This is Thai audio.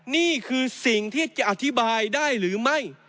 นี่คือสิ่งที่จะอธิบายได้หรือไม่